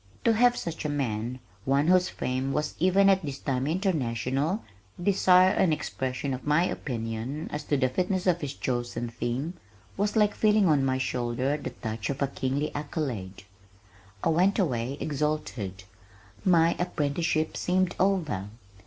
To have such a man, one whose fame was even at this time international, desire an expression of my opinion as to the fitness of his chosen theme, was like feeling on my shoulder the touch of a kingly accolade. I went away, exalted. My apprenticeship seemed over!